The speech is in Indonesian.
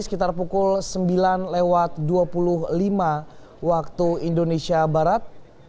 sekitar pukul sembilan lewat dua puluh lima waktu indonesia barat